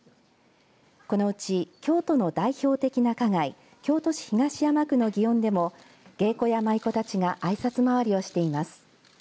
このうち、京都の代表的な花街京都市東山区の祇園でも芸妓や舞妓たちがあいさつ回りをしています。